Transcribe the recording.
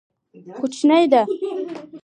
کوچنی ده.